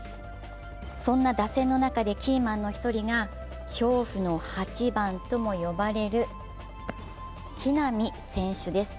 そんな打線の中でキーマンの一人が恐怖の８番とも呼ばれる木浪選手です。